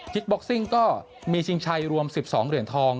กีฬบ็อกซิงก็มีชิงชัยรวม๑๒เหรนทอง